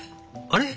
あれ？